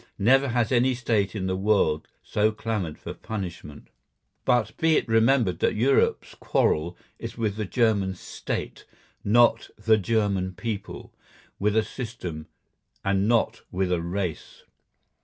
Never has any State in the world so clamoured for punishment. But be it remembered that Europe's quarrel is with the German State, not with the German people; with a system, and not with a race.